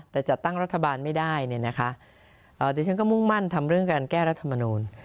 แต่จัดตั้งรัฐบาลไม่ได้เนี่ยนะคะดิฉันก็มุ่งมั่นทำเรื่องการแก้รัฐมนูล